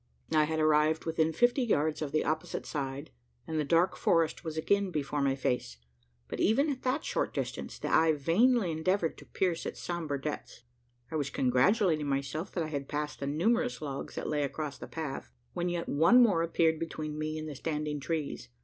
I had arrived within fifty yards of the opposite side, and the dark forest was again before my face; but even at that short distance, the eye vainly endeavoured to pierce its sombre depths. I was congratulating myself, that I had passed the numerous logs that lay across the path, when yet one more appeared between me and the standing trees.